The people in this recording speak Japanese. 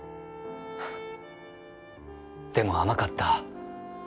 でも甘かった。